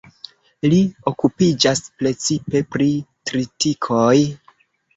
Li okupiĝas precipe pri tritikoj.